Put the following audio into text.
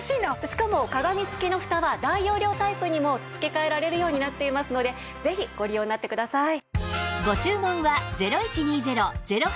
しかも鏡つきのフタは大容量タイプにも付け替えられるようになっていますのでぜひご利用になってください。